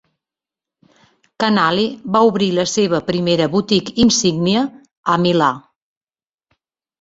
Canali va obrir la seva primera boutique insígnia a Milà.